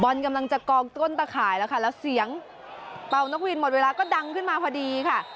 กำลังจะกองต้นตะข่ายแล้วค่ะแล้วเสียงเป่านกวินหมดเวลาก็ดังขึ้นมาพอดีค่ะ